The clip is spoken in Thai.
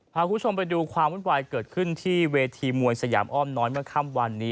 พาคุณผู้ชมไปดูความวุ่นวายเกิดขึ้นที่เวทีมวยสยามอ้อมน้อยเมื่อค่ำวันนี้